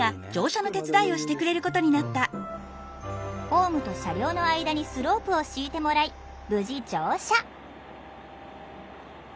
ホームと車両の間にスロープを敷いてもらい無事乗車。